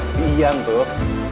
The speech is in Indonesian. si ian tuh